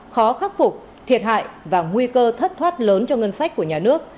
khó khắc phục thiệt hại và nguy cơ thất thoát lớn cho ngân sách của nhà nước